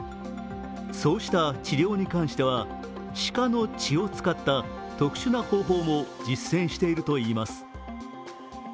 そうした治療に関しては鹿の血を使った特殊な方法も実践しているといいます。